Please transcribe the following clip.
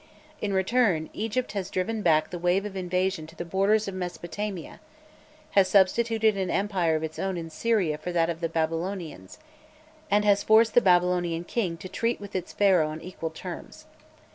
In return, Egypt has driven back the wave of invasion to the borders of Mesopotamia, has substituted an empire of its own in Syria for that of the Babylonians, and has forced the Babylonian king to treat with its Pharaoh on equal terms.